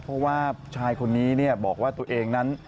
เพราะว่าชายคนนี้บอกว่าตัวเองนั้น